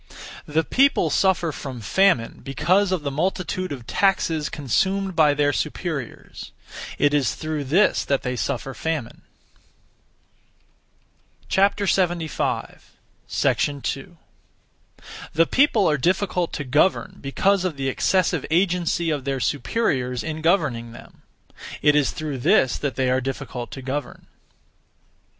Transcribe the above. The people suffer from famine because of the multitude of taxes consumed by their superiors. It is through this that they suffer famine. 2. The people are difficult to govern because of the (excessive) agency of their superiors (in governing them). It is through this that they are difficult to govern.